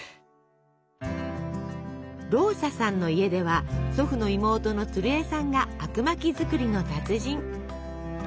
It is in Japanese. ローサさんの家では祖父の妹の鶴江さんがあくまき作りの達人。